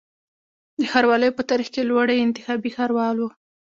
د ښاروالیو په تاریخ کي لوړی انتخابي ښاروال و